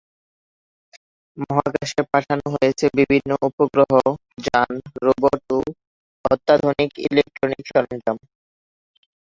মহাকাশে পাঠানো হয়েছে বিভিন্ন উপগ্রহ, যান, রোবট ও অত্যাধুনিক ইলেক্ট্রনিক সরঞ্জাম।